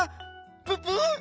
ププ！？